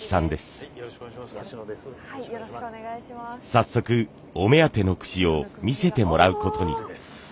早速お目当ての櫛を見せてもらうことに。